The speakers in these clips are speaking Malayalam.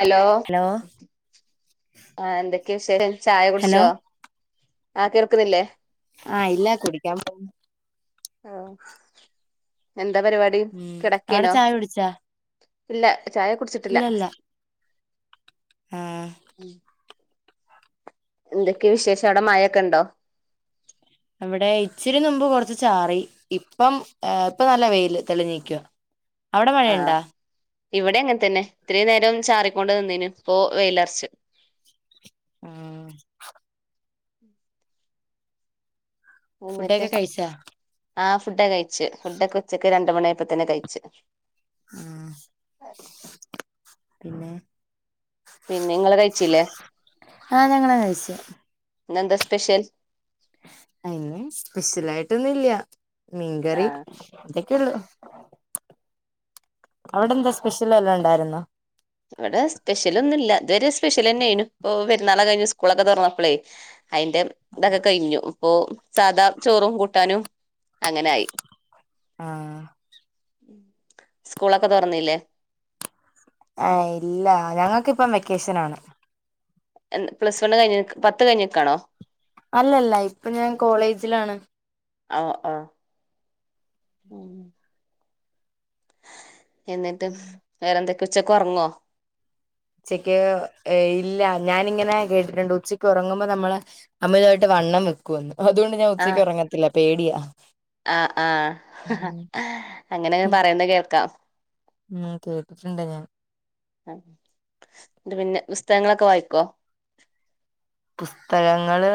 ഹലോ ആ [unintelligible] [unintelligible] ചായ ഹലോ കുടിച്ചോ ആ കേൾക്ക്‌ന്നില്ലേ ആ ഇല്ല കുടിക്കാൻ പോന്നു ആ എന്താ പരുവാടി ഉം അവിടെ കെടക്കേനോ ചായ കുടിച്ചാ ഇല്ല ചായ കുടിച്ചിട്ടില്ല ഇല്ലല്ല ആഹ് ഉം എന്തൊക്കെയ വിശേഷം അവടെ മയയൊക്കെയുണ്ടോ അവിടെ ഇച്ചിരിനുമ്പ് കൊറച്ച് ചാറി ഇപ്പം ആ ഇപ്പൊ നല്ല വെയില് തെളിഞ്ഞീക്കുവ അവടെ ആ മഴയിണ്ടാ ഇവിടെ അങ്ങനെതെന്നെ ഇത്രേംനേരം ചാറിക്കൊണ്ട് നിന്നിനു ഇപ്പൊ വെയിലറച്ചു ആ ഫുഡൊക്കെ കഴിച്ചാ ആഹ് ഫുഡൊക്കെ കഴി ച്ച് ഫുഡൊക്കെ ഉച്ചക്ക് രണ്ട് ണ്ട് മണ്യായായപ്പതന്നെ കയ്ച്ച് ഉം പിന്നെ പിന്നെ ഇങ്ങള് കഴിച്ചില്ലേ? ആഹ് ഞങ്ങള് കഴിച്ച് ഇന്നന്താ സ്പെഷ്യൽ അയിന് സ്പെഷ്യലായിട്ടൊന്നും ഇല്ല്യ ആ മീൻകറി ക്കുള്ളൂ. അവിടെന്താ സ്പെഷ്യൽ വല്ലാം ഉണ്ടായിരുന്നോ? ഇവിടെ സ്പെഷ്യലൊന്നും ഇല്ല. ഇതരെ സ്പെഷ്യലന്നെനു ഇപ്പൊ പെരുന്നാളൊക്കെ കഴിഞ്ഞു സ്കൂളൊക്കെ തൊറന്നപ്പളേ. അയിന്റെ ഇതൊക്കെ കഴിഞ്ഞു. അപ്പോ സാധാ ചോറും കൂട്ടാനും അങ്ങനെ ആയി. ആഹ് സ്കൂളൊക്കെ തൊറന്നില്ലേ? ആ ഇല്ല ഞങ്ങൾക്ക് ഇപ്പം വെക്കേഷനാണ്. എൻ പ്ലസ് വണ്ണ് കഴിഞ്ക്ക് പത്ത് കഴിഞ്ഞ്ക്കാണോ അല്ലല്ല ഇപ്പൊ ഞാൻ കോളേജിലാണ്. ആഹ് ആഹ് ഉം എന്നിട്ടും ഉം വേറെ എന്ത ഉച്ചക്ക് ഉറങ്ങോ ഉച്ചക്ക് ഏ ഇല്ല ഞാനിങ്ങനെ കേട്ടിട്ടുണ്ട് ഉച്ചക്ക് ഉറങ്ങുമ്പോൾ നമ്മൾ അമിതമായിട്ട് വണ്ണം വെക്കുന്ന്. ആഹ് ആഹ് ആഹ് ഉം അങ്ങനെ പറയുന്ന കേൾക്കാം. ഉം കേട്ടിട്ടുണ്ട് ഞാൻ അ എന്നിട്ട് പിന്നെ പുസ്തകങ്ങളൊക്കെ വായിക്കോ? പുസ്തകങ്ങള്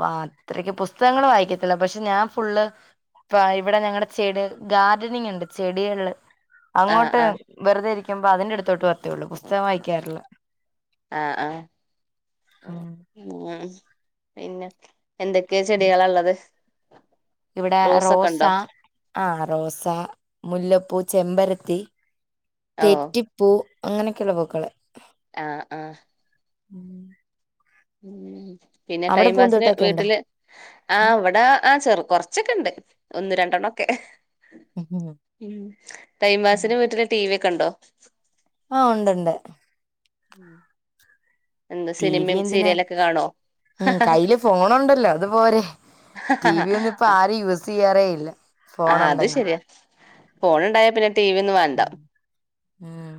വാ അത്രക്ക് പുസ്തകങ്ങള് വായിക്കത്തില്ല പക്ഷെ ഞാൻ ഫുള്ള് പ്പ ഇവിടെ ഞങ്ങടെ ചെട് ഗാർഡനിങ് ഉണ്ട് ചെടികള് ആ അങ്ങോട്ട് ആ വെറുതെ ഇരിക്കു വുമ്പ അതിന്റെ അടുത്തോട്ട് വത്തേയുള്ളൂ പുസ്തകം വായിക്കാറില്ല ആഹ് ആഹ് ഉം ഉം പിന്നെ എന്തൊക്കെ ചെടികള ള്ളത് ഇവിടെ റോസ ആഹ് റോസ, മുല്ലപ്പൂ ചെമ്പരത്തി ഓ തെറ്റിപ്പൂ അങ്ങനെയൊക്കെയള്ള പൂക്കള്. ആഹ് ആഹ് ഉം ഉം പിന്നെ ടൈം പാസിന് പൂന്തോട്ടൊക്കെ ഉണ്ടോ വീട്ടില് ആ വടെ ആ ചെറു കൊറച്ചൊക്കെ ണ്ട് ഒന്ന് രണ്ടെണ്ണം ഒക്കെ ഉ ടൈം പാസിനു വീട്ടില് ടി വി കണ്ടോ ആഹ് ഉണ്ട്ണ്ട് ഉം എന്താ ടി വി സിനിമയും എന്തിനാ സീരിയലൊക്കെ കാണോ ഉം കയ്യില് ഫോണുണ്ടല്ലോ അത്പോരെ ടി വി ഒന്നും ഇപ്പോ ആരും യൂസ് ചെയ്യാറേ ഇല്ല ആ ഫോൺ അത് ഉണ്ടെങ്കിൽ ശരിയാ ഫോൺ ഉണ്ടായ പിന്നെ ടി വി ഒന്നും വേണ്ട ഉം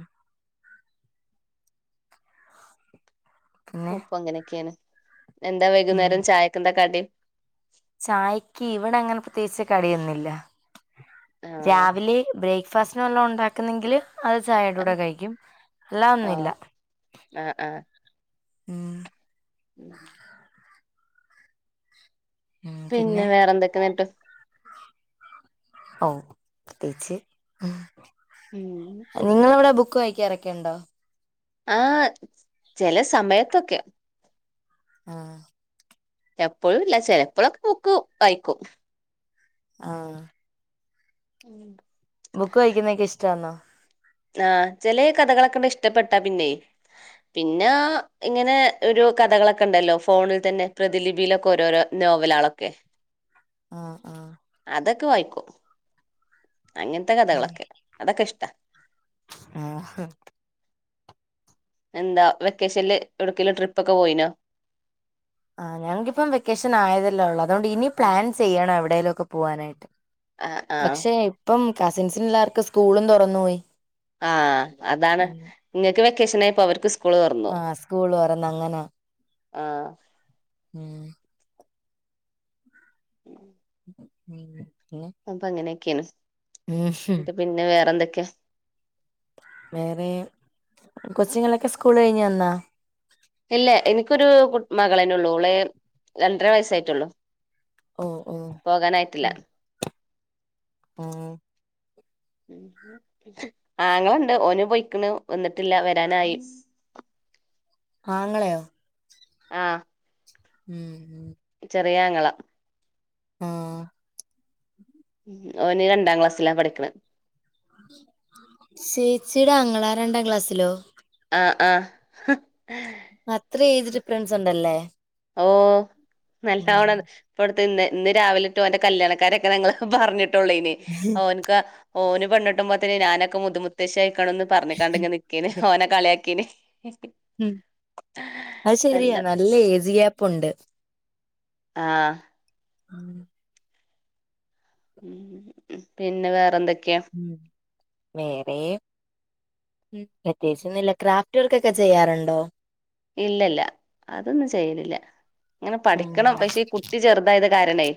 പിന്നെ ഉപ്പങ്ങനക്കെയാണ് എന്താ ഉം വൈകുന്നേരം ചായക്കെന്താ കടി ചായക്ക് ഇവിടെ അങ്ങനെ പ്രത്യേകിച്ച് കടിയൊന്നില്ല ആ രാവിലെ ബ്രേക്ക് ഫാസ്റ്റിന് വല്ലൊ ഉണ്ടാക്കുന്നെങ്കില് അത് ചായയുടെ കൂടെ കഴിക്കും അല്ലാതെ ആ ഒന്നുല്ല ആ ആ ഉം [unintelligible] പിന്നെ വേറെന്തൊക്കെയ നെട്ട് ഒ [unintelligible] ഉം നിങ്ങളവിടെ ബുക് ക്ക് വായിക്കാറൊക്കെണ്ടോ ആഹ് ചെല സമയത്തൊക്കെ ആഹ് എപ്പോഴു ഇല്ല ചിലപ്പോളൊക്കെ ബുക്കു വയിക്കു ആഹ് [unintelligible] ബുക്ക് വഴിക്കുന്നക്ക ഇഷ്ടന്നോ ആഹ് ചില കഥകളൊക്കെണ്ട് ഇഷ്ടപ്പെട്ടാ പിന്നെ പിന്നെ ഇങ്ങനെ ഒരു കഥകളൊക്കെ ണ്ടല്ലോ ഫോണിൽ തന്നെ പ്രതിലിപിയിലൊക്കെ ഓരോരോ നോവലാളൊക്കെ ആഹ് ആഹ് അതൊക്കെ വായിക്കും അങ്ങൻത്തെ കഥകളൊക്കെ അതൊക്കെ ഇഷ്ട ആഹ് എന്താ വെക്കേഷൻല് എവിടക്കേലും ട്രിപ്പ് ഒക്കെ പോയിനോ ആ ഞങ്ങക്കിപ്പം വെക്കേഷൻ ആയതല്ലോ ഉള്ള അതോണ്ട് ഇനി ആ പ്ലാൻ ചെയ്യണം എവിടേലൊക്കെ പോവാനായിട്ട് ആ ആ പക്ഷെ ഇപ്പം കസിൻസിന് ല്ലാവർക്കും സ്കൂളും തുറന്നു പോയി ആഹ് അതാണ് ങ്ങക്ക് വെകേഷനായിപ്പോ അവർ സ് ആഹ് സ്കൂള് തുറന്ന ങ്ങനാ ആഹ് ഉം നീങ് അപ്പൊ അങ്ങനെ ക്കേണ് ഉം എന്നിട്ട് പിന്നെ വേറെന്തൊക്കെ? വേറെ കൊച്ചുങ്ങളൊക്കെ സ്കൂള് കഴിഞ്ഞു വന്നാ ഇല്ല എനിക്ക് ഒരു കു മകളന്നെ ഉള്ളൂ ഒളെ രണ്ടര വയസ്സായിട്ടുള്ളു. ഓഹ് ഓഹ് പോകാനായിട്ടില്ല മ് ആങ്ങളണ്ട് ഓന്പോയിക്ക്ണ് വന്നിട്ടില്ല വരാനായി ആങ്ങളെയോ ആഹ് ഉം ചെറിയാങ്ങള ആഹ് ഓന് രണ്ടാം ക്ലാസ്സിലാ പഠിക്ക്‌ണ ചേച്ചിയുടെ ആങ്ങള രണ്ടാം ക്ലാസ്സിലോ ആഹ് ആഹ് അത്ര ഏജ് ഡിഫ്രറൻസ് ഉണ്ടല്ലേ? ഓ ഉം നല്ലോണം ഇപ്പട് ഇന്ന് ഇന്ന് രാവിലെട്ടോ ഓന്റെ കല്യാണകാര്യോക്കെ ഞങ്ങള് പറഞ്ഞിട്ട് ട്ടൊള്ളേനി ഓന്ക്ക് ഓന് പെണ്ണേട്ടുമ്പോത്തിനു ഞാനൊക്കെ മുതുമുത്തശ്ശി പറഞ്ഞ്കാണ്ട് ങ്ങനെനിക്കേന് ഓനെ കളിയാക്കീനി എ ഉം അത് ശരിയാ നല്ല ഏജ് ഗ്യാപ്പു പ്പുണ്ട് ആ മ് പിന്നെ വേറെന്തൊ വേറെപ്രത്യേകിച്ചൊന്നുല്ല ക്രാഫ്റ്റ വർ ക്കൊക്കെ ചെയ്യാറുണ്ടോ? ഇല്ലല്ല അതൊന്നും ചെയ്യലില്ല ഇങ്ങനെ ഉം പഠിക്കണം പക്ഷെ കുട്ടി ചെറുതായത് കാരണേ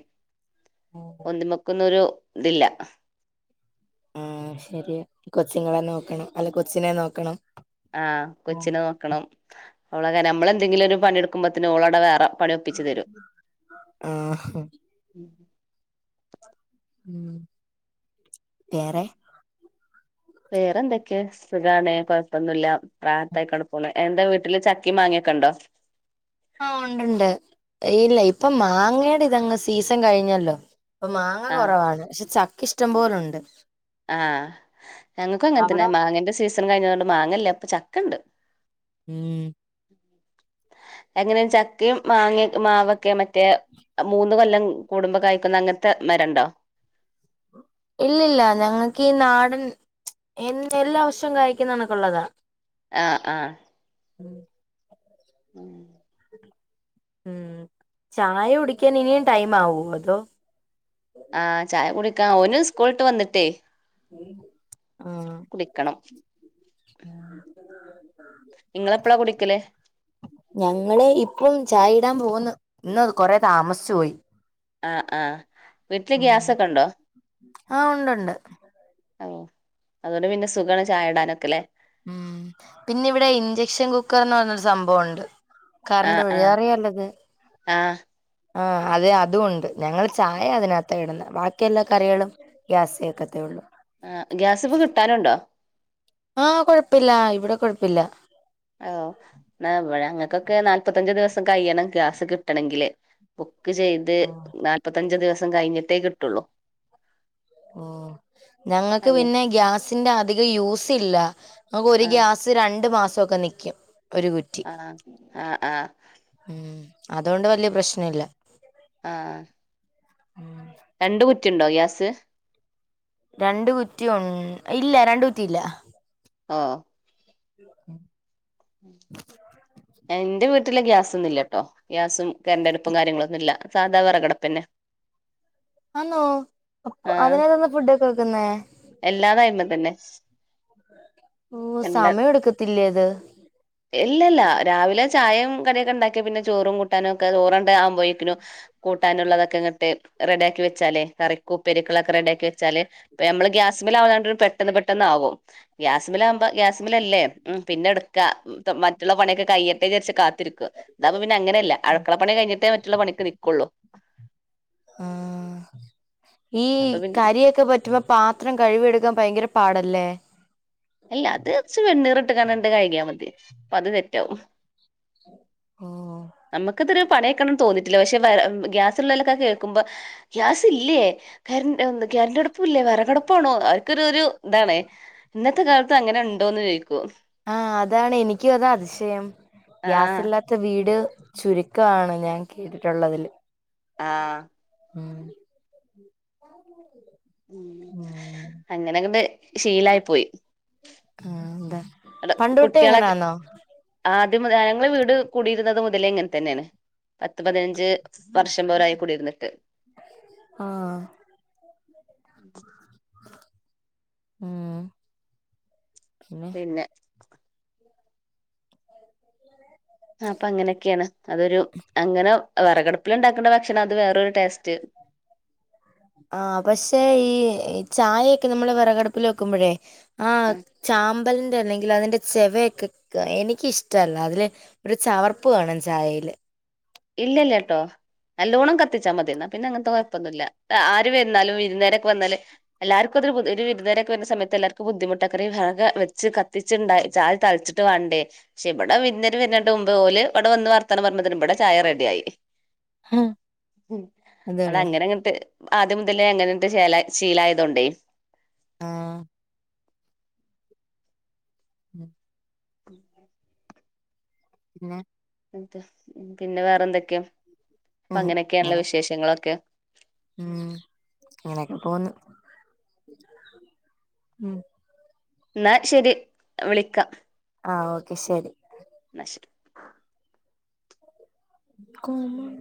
ഒന്നുമക്കൊരു ഇതില്ല ആഹ ശരി കൊച്ചുങ്ങളെ നോക്കണം അല്ല കൊച്ചിനെ നോക്കണം ആ കൊച്ചിനെ നോക്കണം അവളെ അങ്ങനെ നമ്മളെന്തെങ്കിലും ഒരു പണിയെടുക്കുമ്പോഴേക്കും ഓൾ അവിടെ വേറെ പണി ഒപ്പിച്ച് തരും ആ [inaudible] ഉം വേറെ വേറെ എന്തൊക്കെ സുഖാണ് കുഴപ്പമില്ല റാഹത്ത് ആൾക്കാണ്ട് പോണ് എന്താ വീട്ടിൽ ചക്കയും മാങ്ങ ഉണ്ടോ ആ ഉണ്ട് ഉണ്ട് ഇല്ല ഇപ്പൊ മാങ്ങയുടെ ഇതങ്ങ് സീസൺ കഴിഞ്ഞല്ലോ അപ്പൊ മാങ്ങ ആഹ് കുറവാണ് പക്ഷെ ച.. ഇഷ്ടംപോലുണ്ട് ആ ഞങ്ങക്ക് അങ്ങനെത്തന്നെ അവിടോ മാങ്ങന്റെ സീസൺ കഴിഞ്ഞത കൊണ്ട് മാങ്ങല്ലേ ഇപ്പൊ ചക്കണ്ട് ഉം എങ്ങനെയ ചക്കയും മാങ്ങ മാവ.. ക്കെ മറ്റേ മൂന്ന് കൊല്ലം കൂടുമ്പോ കഴക്കുന്ന അങ്ങനത്തെ മരം ഉണ്ടോ ഇല്ലല്ല ഞങ്ങക്ക് ഈ നാടൻ എല്ലാ വർഷവും കായ്ക്കുന്ന കണക്കുള്ളത ആ ആ [inaudible] ഉം ഉം ചായ കുടിക്കാൻ ഇനിയും ടൈം ആവോ അതോ ആ ചായ കുടി ഓൻ സ്കൂൾ വിട്ടു വന്നിട്ട് ഉം കുടിക്കണം [inaudible] നിങ്ങളെപ്പഴാ കുളിക്കലേ ഞങ്ങള് ഇപ്പം ചായ ഇടാൻ പോകുന്നു ഇന്ന് കൊറ താമസിച്ചു പോയി ആ ആ വീട്ടില് ഗ്യാസൊക്കെ ഉണ്ടോ ആഹ് ഉണ്ടുണ്ട് ഓ അതുകൊണ്ട് പിന്നെ സുഖണ ചായ ഇടാനൊക്കെ അല്ലേ ഉം പിന്നെ ഇവിടെ ഇഞ്ചക്ഷൻ കുക്കർന്ന് പറഞ്ഞരു സംഭവുണ്ട് കറണ്ട് ആഹ് ആഹ് വഴിയാറിയാല്ലോ അത് ആഹ് ആ അത് അതും ഉണ്ട് ഞങ്ങളൾ ചായ അതിനകത്ത ഇടുന്ന ബാക്കി എല്ലാ കറികളും ഗ്യാസിലെ വെക്കത്തുള്ളൂ ആ ഗ്യാസ് ഇപ്പൊ കിട്ടാനുണ്ടോ ആഹാ കൊഴപ്പില്ല ഇവിടെ കുഴപ്പില്ല ആ ഓ ഇന്നാ ഇവിടെ ഞങ്ങക്കൊക്കെ നാല്പത്തഞ്ച് ദിവസം കയ്യണം ഗ്യാസ് കിട്ടണെങ്കില് ചെയ്ത് ഓഹ് നാല്പത്തഞ്ച് ദിവ സം കഴിഞ്ഞിട്ടേ കിട്ടുള്ളൂ. ഓ ഞങ്ങക്ക് അങ്ങ പിന്നെ ഗ്യാസിന്റെ അധികം യൂസ് ഇല്ല ഞ്ഞങ്ങക്ക് ഒരു ആ ഗ്യാസ് രണ്ട് മാസം തുക നിക്കും ഒരു കുറ്റി ആ ആ ആ ഉം അതുകൊണ്ട് വലിയ പ്രശ്ന ഇല്ല ആ രണ്ട് കുറ്റി ഉണ്ടോ ഗ്യാ സ്? രണ്ട് കുറ്റിയൊൺ ഇല്ല രണ്ട് കുറ്റിയില്ല. ഓഹ്. ഉം ഉം എന്റെ വീട്ടില് ഗ്യാസൊന്നില്ല്യാട്ടോ ഗ്യാസും കരണ്ടടുപ്പും കാര്യങ്ങളൊന്നുമില്ല. സാധാ വെറകടുപ്പന്നെ. ആന്നോ അ അതിനാത്താന്നോ ഫുഡൊക്കെ വെക്കുന്നേ? എല്ലാതായ്മ തന്നെ. ഓ എല്ലാ സമയം എടുക്കത്തില്ലേ ത് ഇല്ലല്ല രാവിലെ ചായയും കടിയോക്കെ ഉണ്ടാക്കി പിന്നെ ചോറും കുട് ട്ടാനൊക്കെ ചോറണ്ട് ആവുമ്പോയെക്കിനും. കൂട്ടാനുള്ളതൊക്കെ ഇങ്ങട്ട് റെഡിയാക്കി വെ ചാലെ കറിക്കും ഉപ്പേരിക്കും ഉള്ളെ ഒക്കെ റെഡി വെച്ചാല് നമ്മള് ഗ്യാസ് മിൽ ആവണ്ട് പെട്ടെന്ന് പെട്ടന്ന് ആവും. ഗ്യാസ്മല് ആകുമ്പ ഗ്യാസ്മില അല്ലേ? ഉം പിന്നെ എടുക്ക. മറ്റുള്ള പണിയൊക്കെ കയ്യട്ടെ വിചാരിച്ച് കാത്തിരിക്ക. ഇതാവുമ്പോ പിന്നെ അങ്ങന അല്ല അഴക്കള പണിഴിഞ്ഞിട്ടേ മറ്റുള്ള പണിക്ക് നിക്കുള്ളു. ആഹ് ഈ അപ്പൊ പിന്നെ കരിയോക്കെ പറ്റുമ്പോ പാത്രം കഴിവിയെടുക്കാൻ ഭയങ്കര പാടല്ലേ അല്ല അത് കുച്ച് വെണ്ണീർ ഇട്ട് കാനണ്ട് കഴകിയാൽ മതി അത് തെറ്റവും ഓ നമുക്കതൊ പണിയക്കണംന്ന് തോന്നിയിട്ടില്ല പക്ഷെ ഗ്യാസ്ള്ളലൊക്ക കേൾക്കുമ്പോ ഗ്യാസ് ഇല്ലേ കരണ്ടാടുപ്പില്ലേ വറകടപ്പാണോ അവർക്കൊ ഒരു ഒരു ഇതാണ് ഇന്ന ഇന്നത്തെ കാലത്ത് അങ്ങനെണ്ടോന്ന് ചോദി ക്കും ആ അതാണ് എനിക്കും അതാ അതിശയം ആഹ് ഗ്യാസില്ലാത്ത വീട് ചുരുക്കമാണ് ഞാൻ കേട്ടിട്ടുള്ളതില് ആഹ് ഉം ഉ ഉം അങ്ങനെക്കണ്ട് ശീലായി പോയി ആ അതാ പണ്ടുട്ടെ കുട്ടികളെ എങ്ങനാന്നോ ആദ്യം ഞങ്ങള് വീട് കൂടിയിരുന്നത് മുതലേ ഇ ങ്ങനെതന്നെയാണ് പത്ത് പതിനഞ്ച് വർഷ അമ്പരായി കുടി ഇരുനിട്ട് ആഹ് ഉം പിന്നെ അപ്പൊ അങ്ങനെയൊക്കെയാണ് അതൊരു അങ്ങന വിറകടപ്പില ഇണ്ടാക്കണ ഭക്ഷണം അത് വേറരു ടേസ്റ്റ് ആ പക്ഷെ ഈ ചായൊക്കെ നമ്മള് വിറകടുപ്പിൽ വെക്കുമ്പോഴേ ആ ചാമ്പലിന്റെ അല്ലെങ്കി ഇല്ല അതിന്റെ ചെവയൊക്കെ എനിക്കിഷ്ടല്ല അതില് ഒരു ചവർപ്പ് കാണും ചായയില് ഇല്ലല്ല കേട്ടോ നല്ലോണം കത്തിച്ചാ മതി എന്നാ പിന്നെ അങ്ങനത്തെ കുഴപ്പൊന്നും ഇല്ല ആര് വരുന്നാലും വിരുന്നേരൊക്കെ വന്നാല എല്ലാർക്കും ഒരു വിരുന്നേരൊക്കെ വരുന്ന സമയത്ത് എല്ലാർക്കും ബുദ്ധിമുട്ടൊക്കെ ഹാങ്ങാ വെച്ച് കത്തിച്ചുണ്ടായി ചായ തളിച്ചിട്ട് വാണ്ടേ പക്ഷേ ഇവിടെ വിരുന്നേം വരുന്ന് മുമ്പ് ഓലെ ഇവിടെ വന്ന് വർത്താനം പറഞ്ഞതിന് ഇവിടെ ചായ റെഡിആയി അതേള്ളൂ അതങ്ങനെങ്ങട്ട് ആദ്യം മുതലേ അങ്ങനട്ട് ശീല ശീലായത കൊണ്ടേ ആഹ് [inaudible] [inaudible] പിന്നെ മ റ്റ പിന്നെ വേറെ എന്തൊക്കെയാ അപ്പൊ ഉം അങ്ങനെയൊക്കെയണുള്ള അങ്ങനെ വിശേഷങ്ങളൊക്കെ ഉം ഇങ്ങനെയൊക്കെ പോന്നു ഉം എന്നാ ശെരി വിളിക്കാം ആ ഓക്കെ ശരി ന്നാ ശരി കോമൺ